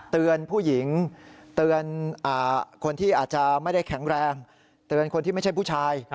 เตือนผู้หญิงเตือนคนที่อาจจะไม่ได้แข็งแรงเตือนคนที่ไม่ใช่ผู้ชาย